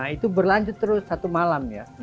itu berlanjut terus satu malam ya